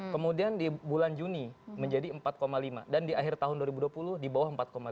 kemudian di bulan juni menjadi empat lima dan di akhir tahun dua ribu dua puluh di bawah empat puluh